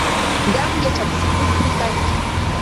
Qam yachatsikuqmi kanki.